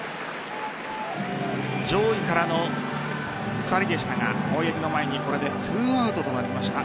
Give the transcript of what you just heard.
上位からの２人でしたが青柳の前にこれで２アウトとなりました。